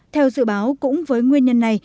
theo dự báo cũng với nguyên nhân này